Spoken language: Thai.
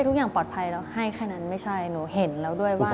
ทุกอย่างปลอดภัยแล้วให้แค่นั้นไม่ใช่หนูเห็นแล้วด้วยว่า